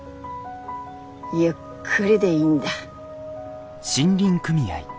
ゆっくりでいいんだ。